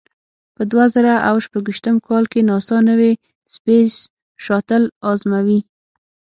په دوه زره او شپږ ویشتم کال کې ناسا نوې سپېس شاتل ازموي.